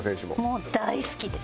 もう大好きです。